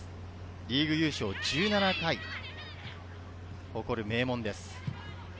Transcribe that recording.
リーグ優勝１７回、名門です。